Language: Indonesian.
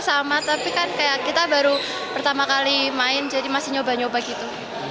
sama tapi kan kayak kita baru pertama kali main jadi masih nyoba nyoba gitu